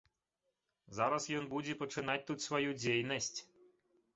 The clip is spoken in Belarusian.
Зараз ён будзе пачынаць тут сваю дзейнасць.